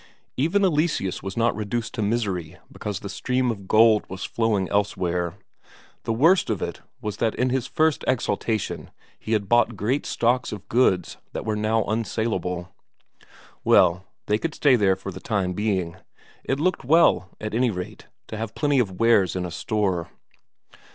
Even Eleseus was not reduced to misery because the stream of gold was flowing elsewhere; the worst of it was that in his first exaltation he had bought great stocks of goods that were now unsaleable. Well, they could stay there for the time being; it looked well, at any rate, to have plenty of wares in a store.